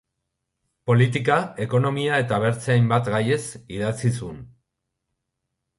Politika, ekonomia eta beste hainbat gaiez idatzi zuen.